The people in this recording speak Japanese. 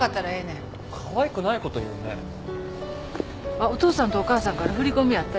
あっお父さんとお母さんから振り込みあったよ。